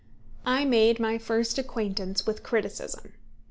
I made my first acquaintance with criticism.